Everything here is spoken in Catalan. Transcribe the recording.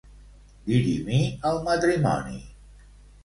Dirimir el matrimoni.